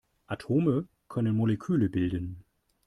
Atome können Moleküle bilden.